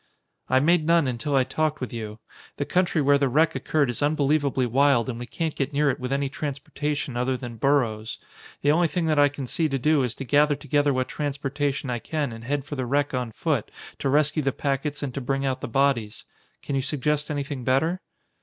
"I made none until I talked with you. The country where the wreck occurred is unbelievably wild and we can't get near it with any transportation other than burros. The only thing that I can see to do is to gather together what transportation I can and head for the wreck on foot to rescue the packets and to bring out the bodies. Can you suggest anything better?"